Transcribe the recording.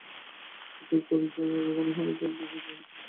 এবং প্রতিজ্ঞা করছি আমি আর কখনও সমুদ্রের দানব শিকার করব না।